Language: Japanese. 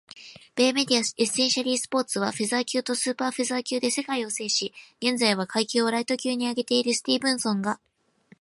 米メディア「エッセンシャリースポーツ」は、フェザー級とスーパーフェザー級で世界を制し、現在は階級をライト級に上げているスティーブンソンが井上との対戦を熱望している様子を伝えた。